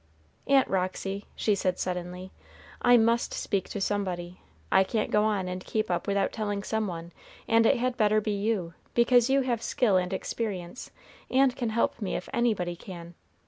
"Aunt Roxy," she said suddenly, "I must speak to somebody. I can't go on and keep up without telling some one, and it had better be you, because you have skill and experience, and can help me if anybody can.